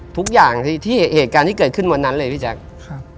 ทุกอย่างที่เหตุการณ์ที่เกิดขึ้นวันนั้นเลยพี่แจ๊คครับ